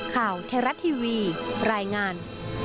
ข่าวแทรฟ์รัฐทีวีรายงาน